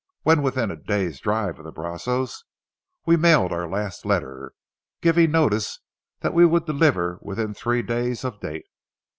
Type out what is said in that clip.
When within a day's drive of the Brazos, we mailed our last letter, giving notice that we would deliver within three days of date.